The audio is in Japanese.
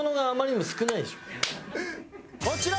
こちら！